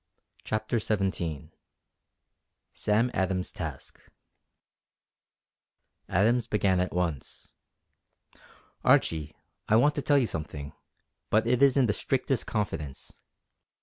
CHAPTER XVII SAM ADAMS'S TASK Adams began at once: "Archie I want to tell you something; but it is in the strictest confidence.